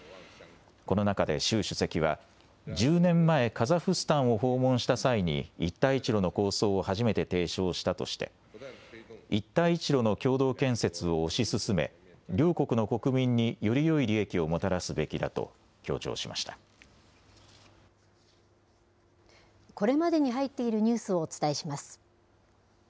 この中で習主席は、１０年前、カザフスタンを訪問した際に一帯一路の構想を初めて提唱したとして、一帯一路の共同建設を推し進め、両国の国民によりよい利益をこれまでに入っているニュースをお伝えします。